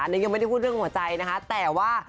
อันนี้ยังไม่ได้พูดเรื่องหัวใจนะคะแต่ว่า